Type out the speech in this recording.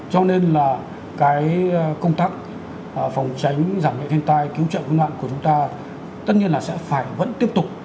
cho nên là cái công tác phòng tránh giảm nhận thiên tai cứu trợ nguyên loạn của chúng ta tất nhiên là sẽ phải vẫn tiếp tục